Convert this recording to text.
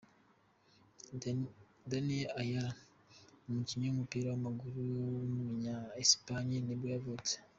Daniel Ayala, umukinnyi w’umupira w’amaguru w’umunya Espagne nibwo yavutse.